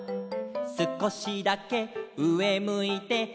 「すこしだけうえむいて」